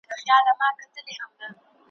خدای چي په قارسي و یوه قام ته ,